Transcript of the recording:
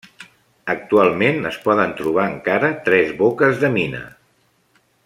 Actualment es poden trobar encara tres boques de mina.